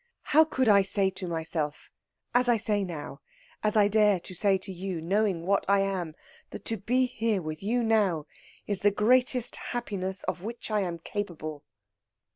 How could I say to myself as I say now, as I dare to say to you, knowing what I am that to be here with you now is the greatest happiness of which I am capable."